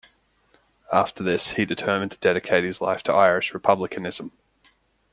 After this, he determined to dedicate his life to Irish republicanism.